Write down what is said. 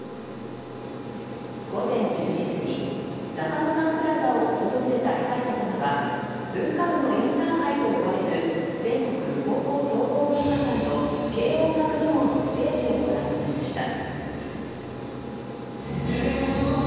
午前１０時過ぎ中野サンプラザを訪れた悠仁さまは文化部のインターハイと呼ばれる全国高校総合文化祭の軽音楽部門のステージをご覧になりました。